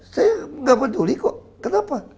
saya nggak peduli kok kenapa